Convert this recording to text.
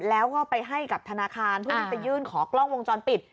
แล้วก็ไปให้กับธนาคารเพื่อที่จะยื่นขอกล้องวงจรปิด